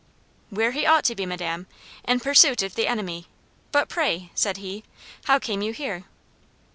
"'Where he ought to be, madam; in pursuit of the enemy. But pray,' said he, 'how came you here?'